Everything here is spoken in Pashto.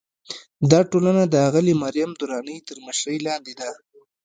دا ټولنه د اغلې مریم درانۍ تر مشرۍ لاندې ده.